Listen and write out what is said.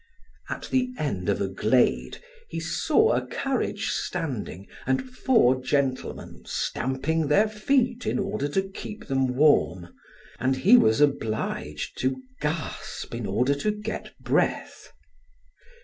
At the end of a glade he saw a carriage standing and four gentlemen stamping their feet in order to keep them warm, and he was obliged to gasp in order to get breath.